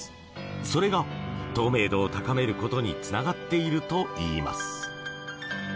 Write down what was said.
それが透明度を高めることにつながっているといいます。